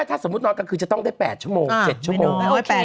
ถ้าสมมุตินอนก็จะต้อง๘ชั่วโมง๗ชั่วโมง